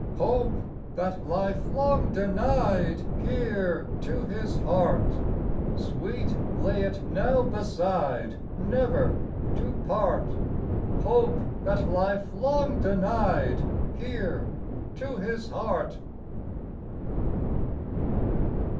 Hope, that life long denied Here to his heart, Sweet, lay it now beside, Never to part. Hope, that life long denied Here to his heart.